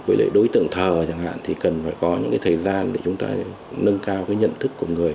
với lại đối tượng thờ chẳng hạn thì cần phải có những cái thời gian để chúng ta nâng cao cái nhận thức của người